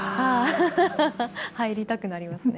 入りたくなりますね。